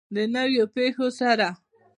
د نویو پیښو سره.